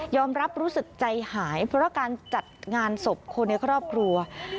รับรู้สึกใจหายเพราะการจัดงานศพคนในครอบครัว